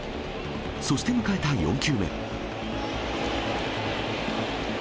そして迎えた４球目。